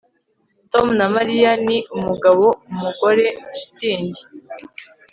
Tom na Mariya ni umugabo numugore shitingi